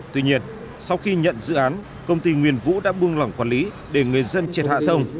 tuy nhiên sau khi nhận dự án công ty nguyên vũ đã buông lỏng quản lý để người dân triệt hạ thông